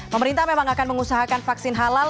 pemerintah memang akan mengusahakan vaksin halal